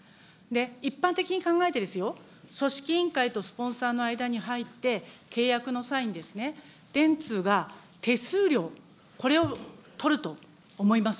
一般的に考えてですよ、組織委員会とスポンサーの間に入って、契約の際に、電通が手数料、これを取ると思います。